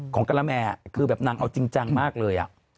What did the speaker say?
ของการแม่คืออวางนั่งเอาจริงมากเลย